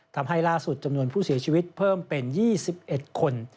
ทำให้ล่าสุดจำนวนผู้เสียชีวิตเพิ่มเป็น๒๑คน